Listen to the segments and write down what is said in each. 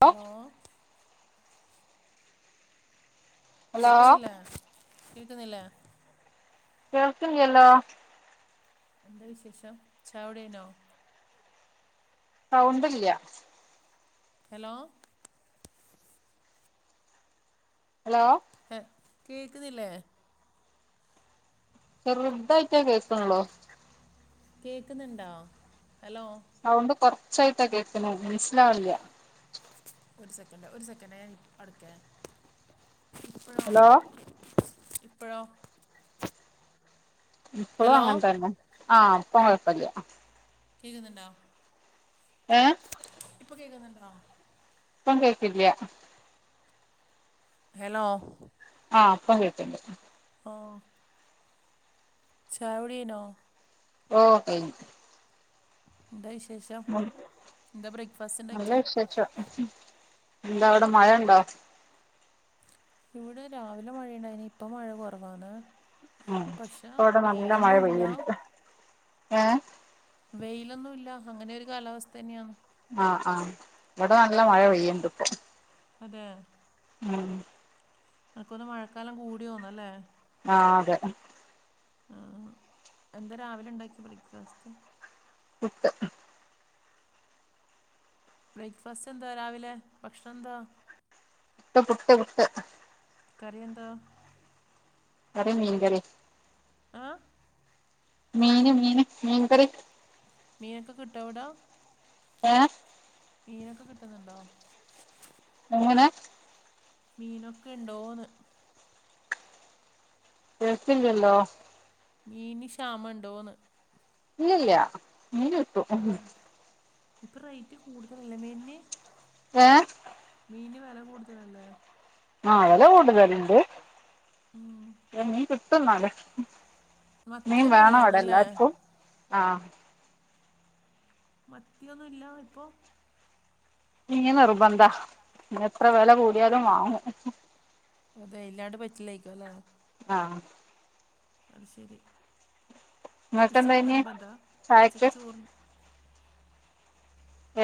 Hello hello കേക്കുന്നില്ലേ കേക്കുന്നില്ലേ കേൾക്കില്ലല്ലോ എന്ത വിശേഷം ചായ കുടി കയിനോ സൗണ്ടില്ല ഹലോ ഹലോ ഹ കേക്കുന്നില്ലേ ചെറുതായിട്ടെ കേൾക്കനൊള്ളു കേക്കുന്നുണ്ടോ ഹലോ സൗണ്ട് കൊറച്ചായിട്ടാ കേക്കുന്നെ മനസ്സിലാവണില്ല ഒരു സെക്കന്റ്‌ ഒരു സെക്കന്റെ ഞാൻ പ്പ അടുക്ക ഇപ്പഴോ ഹലോ ഇപ്പഴോ ഇപ്പളും ഹലോ അങ്ങനെ തന്നെ ആഹ് ഇപ്പം കോഴപ്പില്ല കേക്കുന്നുണ്ടോ ഏഹ് ഇപ്പൊ കേക്കുന്നുണ്ടോ ഇപ്പം കേൾക്കില്ല ഹലോ ആഹ് ഇപ്പം കേക്കണ്ട് ഓഹ് ചായ കുടി കയിനോ ഓ കയ്യിനു എന്താ വിശേഷം എന്താ ബ്രേക്ക്ഫാസ്റ്റ് നല്ല ഉണ്ടാക്കിയ വിശേഷം എന്താവിടെ മഴ ഒണ്ടോ ഇവിടെ രാവിലെ മഴയുണ്ടായിന് ഇപ്പൊ മഴ കുറവാന്ന് അഹ് ഇപ്പൊ ഇവിടെ നല്ല മഴ പെയ്യണ്ട് ഏഹ് വെയിലൊന്നുല്ല അങ്ങനെ ഒരു കാലാവസ്ഥന്നെയാന്ന് ആഹ് ആഹ് ഇവടെ നല്ല മഴ പെയ്യണ്ട് ഇപ്പൊ അതെ ഉം അൻക്ക്ഓന്ന് മഴക്കാലം കൂടിയോന്നല്ലേ ആഹ് അതെ ആഹ് എന്താ രാവിലെ ഇണ്ടാക്കിയെ ബ്രേക്ക്ഫാസ്റ്റ് പുട്ട് ബ്രേക്ക്ഫാസ്റ്റ് എന്താ രാവിലെ ഭക്ഷണം എന്താ പുട്ട് പുട്ട് പുട്ട് കറി എന്താ കറി മീൻകറി ആഹ് മീന് മീന് മീൻകറി മീനൊക്കെ കിട്ടോഅവ്ടാ ഏ മീനൊക്കെ കിട്ട്ന്ന്ണ്ടോ എങ്ങനെ മീനൊക്കെ ഇണ്ടോന്ന് കേക്ക്ല്ലല്ലോ മീന് ശാമം ഇണ്ടോന്ന് ഇല്ല ഇല്ല്യ മീന് കിട്ടും ഇപ്പ റേറ്റ് കൂടുതലല്ലേ മീന്ന് ഏഹ് മീന്ന് വെല കൂട്തലല്ലേ ആ വെല കൂട്തല്ണ്ട് ഉം. മീൻ കിട്ടുന്നാലും മീൻ മത്തിയൊന്നും ഇല്ല വേണോ അവടെ തോന്നല്ലേ എല്ലാര്ക്കും ആഹ് മത്തിയൊന്നുല്ലാ ഇപ്പൊ മീന് നിർബന്ധാ എത്ര വെല കൂടിയാലും വാങ്ങും അതെ ഇല്ലാണ്ട് പറ്റില്ലായിക്കോല്ലേ ആഹ് അത് ശരി ഉച്ചക്ക് നിങ്ങക്കെന്തേനി നിർബന്ധാ ഉച്ചക്ക് ചായക്ക് ചോറ്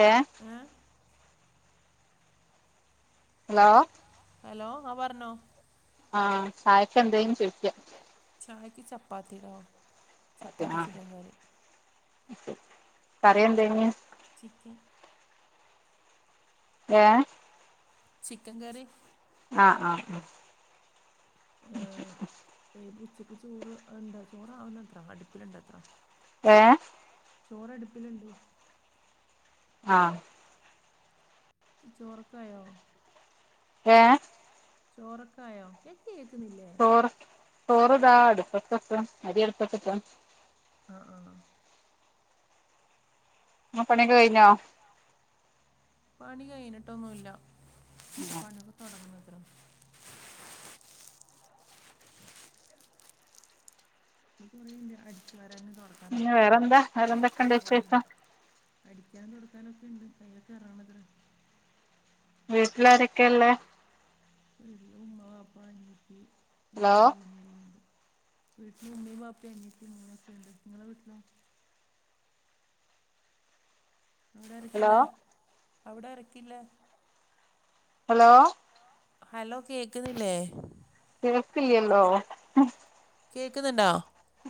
ഏഹ് ഏ ഹലോ ഹെലോ ആ പറഞ്ഞോ ആ ചായക്ക് എന്തേര്ന്നു ചോയ്ക്ക ചായക്ക് ചപ്പാത്തിടോ ചപ്പാത്തി ചിക്കൻ കറി കറി എന്തേനു ചിക്കൻ ഏഹ് ചിക്കൻ കറി ആഹ് ആ ഏ ഉച്ചക്ക് ചോറ് ഒണ്ട് ചോറ് ആവുന്ന അത്ര അട്പ്പില്ണ്ട് അത്ര ഏഹ് ചോറ് അട്പ്പില്ണ്ട് ആഹ് ചോറ്ക്കായോ ഏഹ് ചോറക്കായോ എൻക്ക് കേക്ക്ന്നില്ലേ ചോറ് ചോറ്താ അടുപ്പത്ട്ട് അരി അടുപ്പത്ട്ട് ആഹ് ആഹ് ആ ആ പണിയൊക്കെ കഴിഞ്ഞോ പണി കഴിഞ്ഞിട്ടൊന്നുല്ല പണിയൊക്കെ തുടങ്ങുന്നത്ര പണി കൊറേണ്ട് അടിച്ചു വാരാനും തുടക്കാനും ഇനി വേറെന്താ വേറെന്തൊക്കെ ഉണ്ട് വിശേഷം അടിക്കാനും തുടക്കാനക്കെ ഇണ്ട് അത്നൊക്കെ എറങ്ങണത്രെ [unintelligible] വീട്ടിലാരൊക്കെയൊള്ളേ വീട്ടിൽ ഉമ്മ വാപ്പ അനിയത്തി ഹലോ അങ്ങാംണ്ട [inaudible] വീട്ടിൽ ഉമ്മയും വാപ്പയും അനിയത്തി മൂന്ന് മക്കൾ ഉണ്ട് നിങ്ങളെ വീട്ടിലോ അവിടെ ഹലോ ആറെക്കില്ലാ അവിടെ ആറെക്കില്ലാ ഹലോ ഹലോ കേക്കുന്നില്ലേ കേൾക്കില്ലല്ലോ കേൾക്കുന്നുണ്ടോ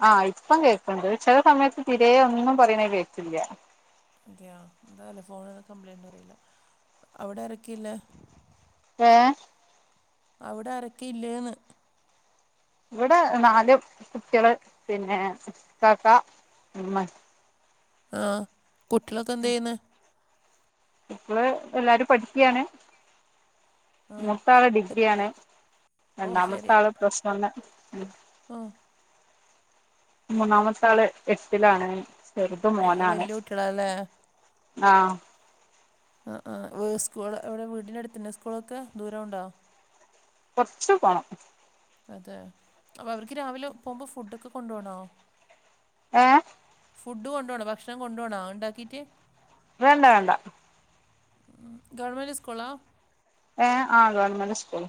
ആഹ് ഇപ്പം കേൾകുന്നുണ്ട് ചില സമയത്ത് തീരെ ഒന്നും പറയുന്ന കേൾക്കില്ല അതെയ എന്താലെ ഫോണിന്ന് കംപ്ലൈൻറ് അറിയില്ല അവിടെ ആരൊക്കിയില്ലേ? ഏഹ് അവടെ അരക്കെ ഇല്ലേന്ന് ഇവിടെ നാല് കുട്ടികള് പിന്നെ ഇക്കാക്ക ഉമ്മയും ആഹ് കുട്ടികളൊക്കെ എന്ത്‌ ചെയ്യുന്നേ ഇപ്പള് എല്ലാരും പഠിക്കുകയാണ് ആഹ് മൂത്ത ആള് ഡിഗ്രിയാണ് ഓ രണ്ടാമത്തെ ശരി ആള് പ്ലസ്‌വണ് ആഹ് മൂന്നാമത്തെ ആള് എട്ടിലാണ് ചെറുത് എല്ലാം മോനാണ് വല്യ കുട്ടികളാല്ലേ ആഹ് ആഹ് ആഹ് സ്കൂൾ എവിടെ വീടിൻ്റെ അടുത്തന്നെ സ്കൂളൊക്ക് ദൂരം ഒണ്ടോ കൊറച്ച് പോണം അതെ അപ്പൊ അവർക്ക് രാവിലെ പോകുമ്പോൾ ഫുഡ് ഒക്കെ കൊണ്ടു പോണോ ഏ ഫുഡ് കൊണ്ട് പോണോ ഭക്ഷണം കൊണ്ടു പോണോ ഉണ്ടാക്കീയിട്ട് വേണ്ട വേണ്ട ഗവൺമെൻറ് സ്കൂളാ ഏ ആ ഗവൺമെൻറ് സ്കൂൾ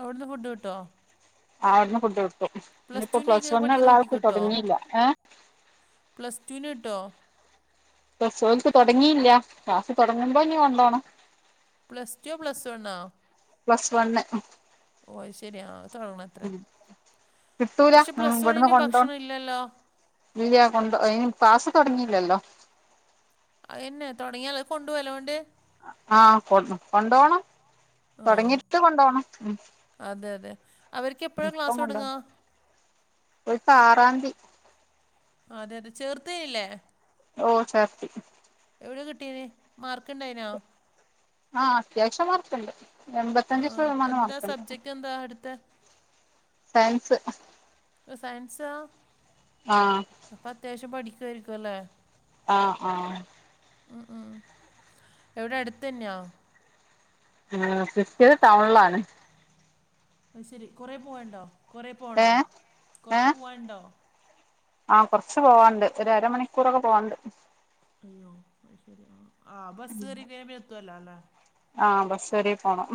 അവിടുന്ന് ഫുഡ് കിട്ടോ അവിടുന്ന് ഫുഡ് കിട്ടും ഇനിയിപ്പോ പ്ലസ് ടുവിന് വണ് ഉള്ള പഠിക്കുന്ന കുട്ടിക്ക് ആൾക്ക് തൊ ടങ്ങിയില്ല ഏ പ്ലസ്റ്റുവിന് കിട്ടോ പ്ലസ് വണ്ണോക്ക് തൊടങ്ങിയില്ല ക്ലാസ് തോടങ്ങുമ്പോ ഇനി വന്നോണം പ്ലസ്ടു വോ പ്ലസ്‌ വൺണൊ പ്ലസ് വണ് ഓഹ് അത് ശരിയാ തൊടങ്ങണം അത്രേ കിട്ടൂല പക്ഷെ ഉം പ്ലസ് ഇവിടുന്ന് വണിന് കൊണ്ടോണം ഭക്ഷണം ഇല്ലല്ലോ ഇല്ല കൊണ്ടോ അതിന് ക്ലാസ് തൊടങ്ങിയില്ലല്ലോ അതാന്നെ തോടങ്ങിയാല് അത് കൊണ്ട് പോവല്ലെ വെണ്ടിയെ ആഹ് കൊണ്ട്പോണം ആ തൊടങ്ങിട്ട് കൊണ്ട്പോണം അതെ അതെ അവർക്ക് എപ്പോഴാണ് ഇപ്പ ക്ലാസ് കൊണ്ടോ തുടങ്ങുക ഇവൾക്ക് ആറാംതി അതെ അതെ ചേർതേയില്ലെ ഓഹ് ചേർത്തി എവിടെയാണ് കിട്ടിയന് മാർക്ക് ഉണ്ടായിനോ ആഹ് അത്യാവശ്യം മാർക്കണ്ട് ആ എൺമ്പത്തഞ്ച് ശതമാനം എന്താ മാർക്കുണ്ട് സബ്ജക്റ്റ് എന്താ അടുത്തെ സയൻസ് ഓഹ് സയൻസാ ആഹ് അപ്പൊ അത്യാവശ്യം പഠിക്കായിരിക്കുല്ലേ ആഹ് ആഹ് ഉം ഉം എവിടെ അടുത്ത് തന്നെയൊ ഉം [unintelligible] തമിഴിലാണ് ആ ശരി കൊറേ പോവണ്ടോ കൊറേ പോണോ ഏഹ് കൊറേ പോവാനുണ്ടോ ആ കൊറച്ച് പോവാണ്ട് ഒരുഅരമണിക്കൂറൊക്കെ പോവാണ്ട് ആഹ് ബസ്സ് കേറി കഴിഞ്ഞ് എത്തുവല്ലോ അല്ലേ ആഹ ബസ് വരെ പോണം.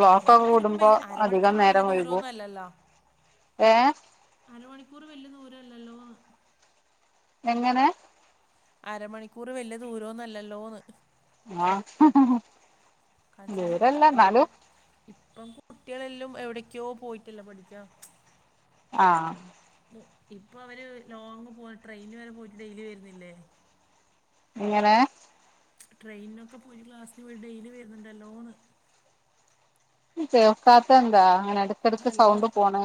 ബ്ലോക്കൊക്കെ അരമണിക്കൂർപ്പം കൂടുമ്പോ വല് അരമണിക്കൂർ അധികം ഇപ്പ വല്യ നേരം വൈകും ദൂരന്നും അല്ലല്ലോ ഏഹ് അരമണിക്കൂർ വലിയ ദൂരല്ലല്ലോന്ന്. എങ്ങനെ അരമണിക്കൂർ വലിയ ദൂരമോന്നും അല്ലല്ലോന്ന് ആഹ് ഹ ഹ കാണിച്ചാൽ ദൂരല്ല എന്നാലും ഇപ്പം ഇപ്പം കുട്ടികളെല്ലാം എവിടക്കോ പോയിട്ടല്ലോ പഠിക്കാ- ആഹ് ഇപ്പൊ അവര് ലോങ് പോയിട്ട് ട്രെയിന് വരെ പോയിട്ട് ഡെയിലി വരുന്നില്ലേ? എങ്ങനെ? ട്രെയിനൊക്കെ പോയി ഒരു ക്ലാസിന് പോയി ഡെയിലി വരുന്നുണ്ടല്ലോന്ന്. കേൾക്കാത്ത എന്താ? ഇടക്കിടക്ക് സൗണ്ട് പോണ്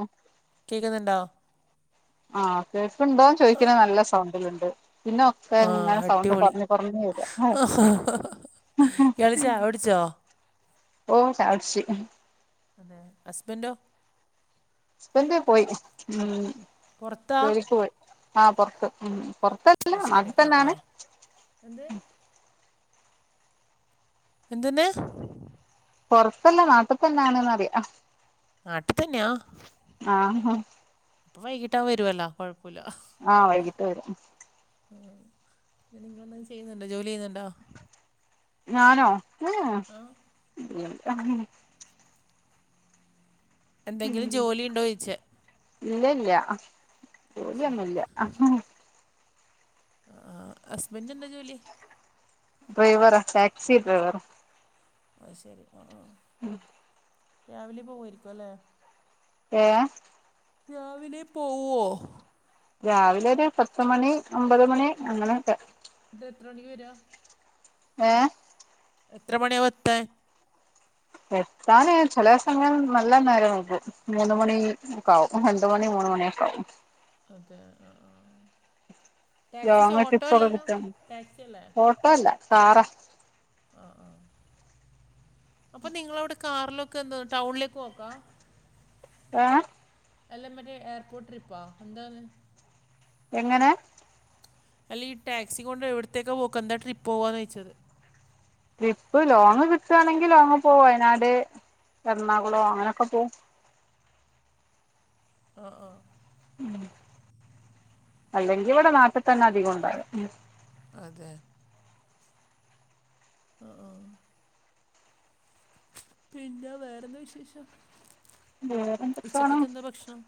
കേൾക്കുന്നുണ്ടോ? ആഹ് കേൾക്കുണ്ടോന്ന് ചോദിക്കണ നല്ല സൗണ്ടിലുണ്ട്. പിന്നെ ഒക്കെ ആ ഇങ്ങനെ സൗണ്ട് അടിപൊളി കുറഞ്ഞ് കുറഞ്ഞ വരാ ഇയാൾ ചായ കുടിച്ചോ? ഓ ചായ കുടിച്ചു. ഏഹ് ഹസ്ബൻഡോ? ഹസ്ബന്റ് പോയി ഉം പുറത്താ ജോലിക്ക് പോയി ആഹ് പുറത്ത് പുറത്ത- അല്ല അത് ശരി ആ ആ അടുത്തതന്നാണ്. എന്ത്? എന്ത്‌ന്ന്? പുറത്തല്ല നാട്ടിൽത്തന്നാണന്ന്റയാ. നാട്ടി തന്നെയാ? ആഹ് ആഹ് - ഇപ്പ വൈകിട്ടാ വരുവല്ലോ കൊഴപ്പമില്ല. ആഹ് വൈകിട്ട് വരും. ആഹ് പിന്നെ നിങ്ങെന്തെങ്കിലും ചെയ്യുന്നുണ്ടോ ജോലി ചെയ്യുന്നുണ്ടോ? ഞാനോ ആ ഏഹ് ഹേ എന്തെങ്കിലും ജോലി ഉണ്ടോ ചോയ്ച്ച ഇല്ലല്ല അത് ശരി ജോലിയൊന്നുല്ല ആഹ് ഹസ്ബന്ഡ് എന്താ ജോലി? ഡ്രൈവറ ടാക്സി ഡ്രൈവർ. അത് ശരി ആഹ് ആഹ് [inaudible] രാവിലെ പോവയിരിക്കും അല്ലേ? ഏഹ് രാവിലെ പോവോ? രാവിലെ ഒരു പത്ത്മണി അമ്പത് മണി അങ്ങനൊക്കെ ദത്രമണിക്കാ വെര? ഏഹ് എത്ര മണിയാവുംത്താൻ? എത്താന്ചെല ദിവസങ്ങളിൽ നല്ല നേരം വൈകും. മൂന്ന് മണിക്കാവും രണ്ട്മണി ന്ന്മൂണ മണിയക്കാവും അതെ ആഹ് ആഹ് ലോങ് ടാക്സിച്ചട്ടോ അല്ലല്ലോ ടാക്സി അല്ലേ? ഇപ്പല്ല കാറ ആഹ് ആഹ് അപ്പൊ നിങ്ങളവിടെ കാറിലൊക്കെ എന്ത്ടൗണിലേക്ക് ഓക്കാം ഏഹ് അല്ല മറ്റേ എയർപോർട്ട് ട്രിപ്പാ എന്താന്ന്? എങ്ങനെ? അല്ല ഈ ടാക്സി കൊണ്ട് എവിടത്തേക്കാ പോക്ക് എന്താ ട്രിപ്പ് പോവാനയിച്ചത്? ടിപ്പ് ലോങ് കിട്ടുകയാണെങ്കിൽ ടിപ പ്ലോങ്ങ് പോവും വയനാട് എറണാകുളം അങ്ങനൊക്കെ പോകവും. ആഹ് ആഹ് അല്ലെങ്കിൽ ഇവിടെ നാട്ടിൽ തന്നെ അധികണ്ടാവ അതെ- ആഹ് ആഹ് പിന്നെ വേറെന്താ വിശേഷം വേറെന്തൊക്കെണോ ഉച്ചക്കൊക്കെ എന്താ ഭക്ഷണം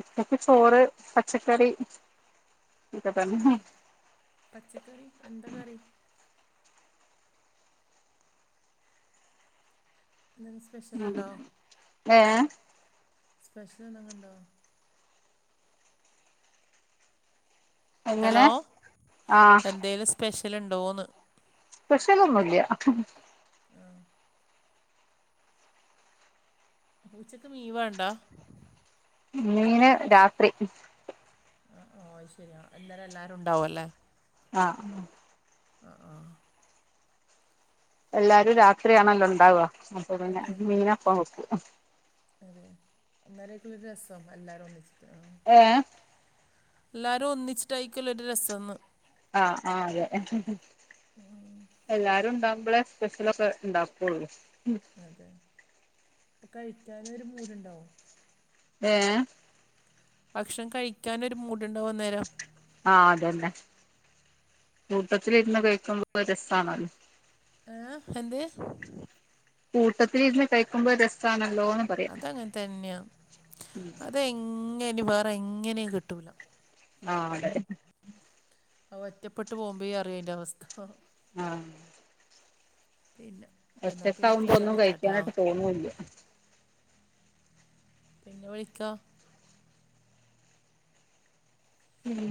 ഇപ്പക്ക് ചോറ് പച്ചക്കറി ഇതക്കെ തന്നെ പച്ചക്കറി എന്താ കറി [unintelligible] [unintelligible] ഏയ് സ്പെഷ്യൽ എന്തെങ്ങണ്ടോ ഹലോ എങ്ങനെ ആഹ് എന്തേലും സ്പെഷ്യൽ ഉണ്ടോന്ന് സ്പഷലൊന്ന്നുല്ല- ആഹ് ച്ചക്ക് മീ വേണ്ടാ മീന് രാത്രി ആഹ് ആഹ് ശരിയാ അന്നേരം എല്ലാവരും ഉണ്ടാവും ല്ലേ ആഹ് ആഹ് ആഹ് എല്ലാരും രാത്രിണല്ലോ ഉണ്ടാവ അപ്പൊ പിന്നെ അതെ മീന്പ്പം വെക്കും അതെ അന്നേരേക്കുള്ള ഒരു രസമം എല്ലാരും ഒന്നിച്ചിട്ട് ഒ ഏയ് എല്ലാവരും ഒന്നിച്ചിട്ടായിരിക്കുല്ലൊ ഒരു രസംന്ന് ആഹ് ആഹ് അതെ എല്ലാരും ഉണ്ടാവുമ്പോളെ സ്പെഷ്യലൊക്കെ ഉണ്ടാക്കുള്ളൂ അതെ അപ്പം കഴിക്കാനും ഒരു മൂടു ണ്ടാവും ഏയ് ഭക്ഷണം കഴിക്കാനൊരു മൂട്ടടുണ്ടാവുംഅന്നേരം ആഹ് അതെന്നെ കൂട്ടത്തിലിരുന്ന് കഴിക്കുമ്പോരസണല്ലോ ഏയ് ഹെന്ത് കൂട്ടത്തിലിരുന്ന്കഴിക്കുമ്പോ രസാണല്ലോ അതങ്ങൻതന്നെയാ അതെങ്ങ വേറെ ങ്ങനിം കിട്ടൂല ആഹ് അതെ ആ ഒറ്റപ്പെട്ട് പോകുമ്പോ അറിയാം അയിന്റെ അവസ്ഥ ആഹ് പിന്നെ എന്നാ പിന്നെ ഒറ്റക്കാവുമ്പോ പിന്നെ ഒന്നും വിളിക്കകട്ടാ കഴിക്കാനായിട്ട് [unintelligible] പിന്നെ വിളിക്കാ ഉം..